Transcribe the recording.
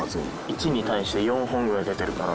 １に対して４本ぐらい出てるから。